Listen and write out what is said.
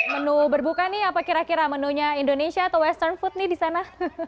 menu berbuka nih apa kira kira menunya indonesia atau western food nih di sana